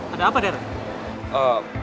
ada apa dara